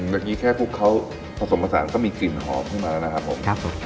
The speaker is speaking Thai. อย่างนี้แค่พวกเขาผสมผสานก็มีกลิ่นหอมพรุ่งมาแล้วนะครับผม